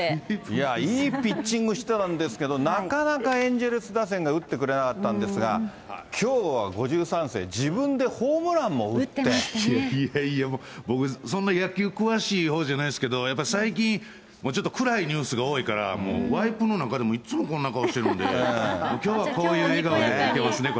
いや、いいピッチングしてたんですけど、なかなかエンゼルス打線が打ってくれなかったんですが、きょうは５３世、いやいや、僕、そんな野球、詳しいほうじゃないんですけど、やっぱ最近、ちょっと暗いニュースが多いから、もうワイプの中でもいっつもこんな顔してるんで、きょうはこういう笑顔でいけますね。